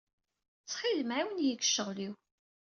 Ttxil-m ɛiwen-iyi deg ccɣel-iw.